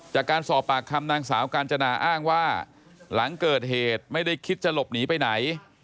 จากการสอบปากคำนางสาวกาญจนาอ้างว่าหลังเกิดเหตุไม่ได้คิดจะหลบหนีไปไหน